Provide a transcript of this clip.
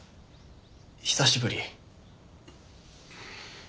久しぶり。